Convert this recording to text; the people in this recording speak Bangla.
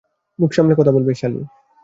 মুখ সামলে কথা বলবি, শালী।